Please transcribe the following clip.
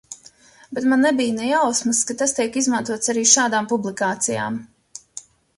Bet man nebija ne jausmas, ka tas tiek izmantots arī šādām publikācijām.